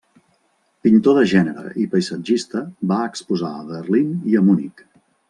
Pintor de gènere i paisatgista, va exposar a Berlín i a Munic.